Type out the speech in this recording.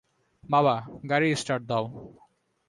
বাবা, গাড়ি স্টার্ট দাও!